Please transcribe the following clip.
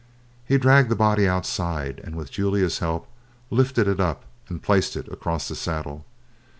He dragged the body outside, and with Julia's help lifted it up and placed it across the saddle.